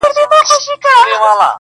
مور هره شپه ژاړي پټه تل